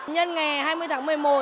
nhân ngày hai mươi tháng một mươi một